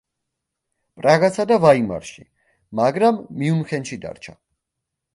პრაღასა და ვაიმარში, მაგრამ მიუნხენში დარჩა.